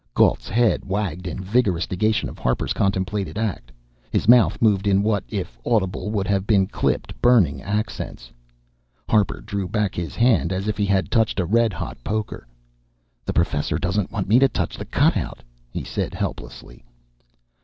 Gault's head wagged in vigorous negation of Harper's contemplated act. His mouth moved in what, if audible, would have been clipped, burning accents. Harper drew back his hand as if he had touched a red hot poker. "The Professor doesn't want me to touch the cutout," he said helplessly.